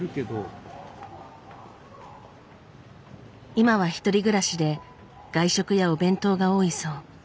今は１人暮らしで外食やお弁当が多いそう。